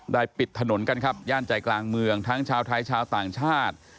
ปิดถนนกันครับย่านใจกลางเมืองทั้งชาวไทยชาวต่างชาติ